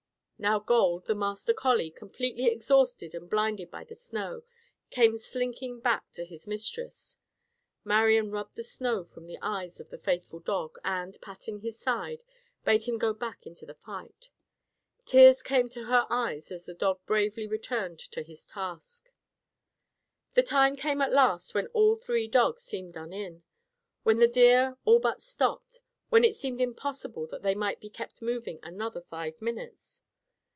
Now Gold, the master collie, completely exhausted and blinded by the snow, came slinking back to his mistress. Marian rubbed the snow from the eyes of the faithful dog and, patting his side, bade him go back into the fight. Tears came to her eyes as the dog bravely returned to his task. The time came at last when all three dogs seemed done in; when the deer all but stopped; when it seemed impossible that they might be kept moving another five minutes.